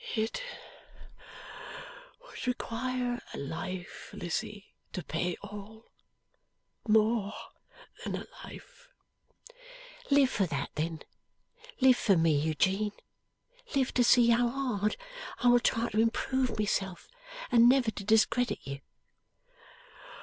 'It would require a life, Lizzie, to pay all; more than a life.' 'Live for that, then; live for me, Eugene; live to see how hard I will try to improve myself, and never to discredit you.